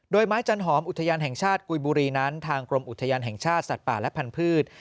โดยไม้จันหอมอุทยานแห่งชาติกุยบุรีนั้นทางกรมอุทยานแห่งชาติสัตว์ป่าและพันธุ์